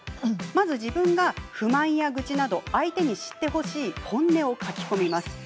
まず自分が不満や愚痴など相手に知ってほしい本音を書き込みます。